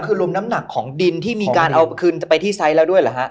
คือรวมน้ำหนักของดินที่มีการเอาคืนจะไปที่ไซส์แล้วด้วยเหรอฮะ